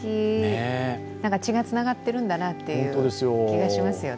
血がつながってるんだなという気がしますよね。